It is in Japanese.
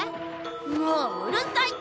もううるさいってば！